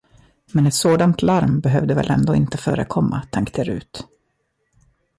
Men ett sådant larm behövde väl ändå inte förekomma, tänkte Rut.